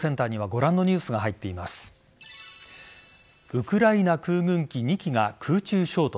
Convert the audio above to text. ウクライナ空軍機２機が空中衝突。